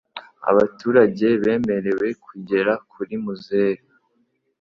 abaturage bemerewe kugera kuri muzehe